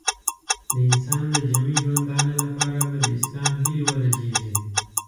د انسان د جمعي ژوندانه لپاره به د اسلام هیلې ورژېږي.